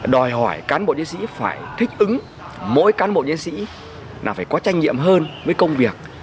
đòi hỏi cán bộ diễn sĩ phải thích ứng mỗi cán bộ diễn sĩ là phải có trách nhiệm hơn với công việc